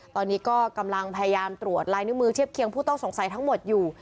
ตอนนี้ก็กำลังพยายามตรวจลายนิ้วมือเทียบเคียงผู้ต้องสงสัยทั้งหมดอยู่